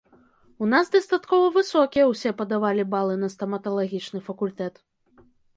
У нас дастаткова высокія ўсе падавалі балы на стаматалагічны факультэт.